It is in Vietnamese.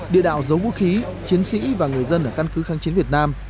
địa đạo giấu vũ khí chiến sĩ và người dân ở căn cứ kháng chiến việt nam